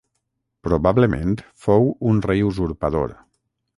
Probablement fou un rei usurpador.